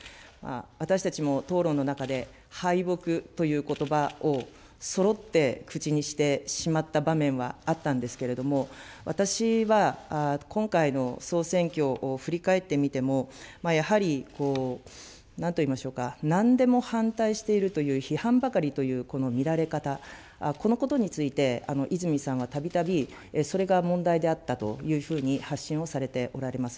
私たちも討論の中で、敗北ということばを、そろって口にしてしまった場面はあったんですけれども、私は今回の総選挙を振り返ってみても、やはりなんといいましょうか、なんでも反対しているという、批判ばかりという、この見られ方、このことについて、泉さんはたびたび、それが問題であったというふうに発信をされておられます。